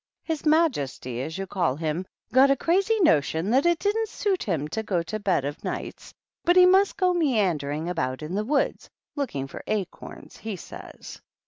"His majesty, as you call him, got a crazy notion that it didn't suit him to go to bed of nights, but he must go meandering about in the woods, —* looking for acorns,' he says."